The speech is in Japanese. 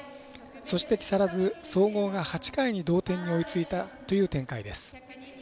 そして、木更津総合が８回に同点に追いついたという展開です。